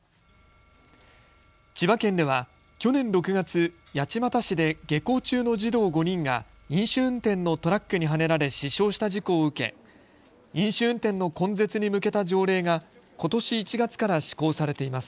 千葉県では去年６月、八街市で下校中の児童５人が飲酒運転のトラックにはねられ死傷した事故を受け飲酒運転の根絶に向けた条例がことし１月から施行されています。